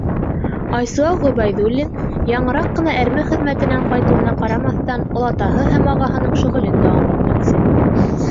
Айсыуаҡ Ғөбәйҙуллин, яңыраҡ ҡына әрме хеҙмәтенән ҡайтыуына ҡарамаҫтан, олатаһы һәм ағаһының шөғөлөн дауам итмәксе.